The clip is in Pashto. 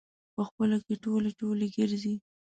په خپلو کې ټولی ټولی ګرځي.